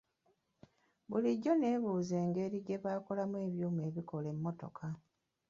Bulijjo neebuuza engeri gye bakolamu ebyuma ebikola emmotoka.